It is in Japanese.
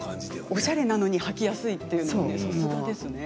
おしゃれなのに履きやすいっていうのは、さすがですね。